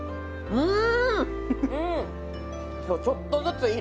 うん